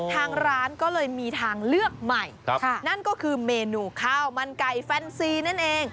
ทางร้านก็เลยมีทางเลือกใหม่นั่นก็คือเมนูข้าวมันไก่แฟนซีนั่นเอง